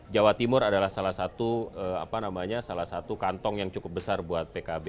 jawa timur adalah salah satu kantong yang cukup besar buat pkb